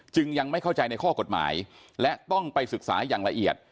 ยังไม่เข้าใจในข้อกฎหมายและต้องไปศึกษาอย่างละเอียด